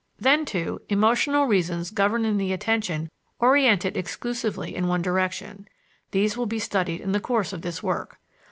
Then, too, emotional reasons governing the attention orientate it exclusively in one direction these will be studied in the course of this work.